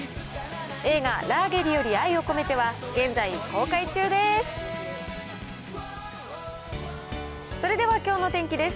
映画、ラーゲリより愛を込めては、現在公開中です。